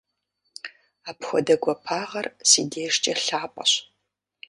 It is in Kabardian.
Апхуэдэ гуапагъэр си дежкӀэ лъапӀэщ.